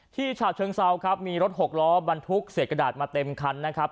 ฉะเชิงเซาครับมีรถหกล้อบรรทุกเศษกระดาษมาเต็มคันนะครับ